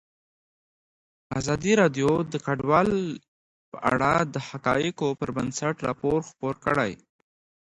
ازادي راډیو د کډوال په اړه د حقایقو پر بنسټ راپور خپور کړی.